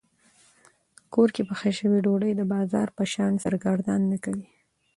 کور کې پخه شوې ډوډۍ د بازار په شان سرګردان نه کوي.